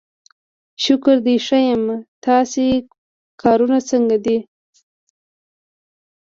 شکر دی ښه یم، ستاسې کارونه څنګه دي؟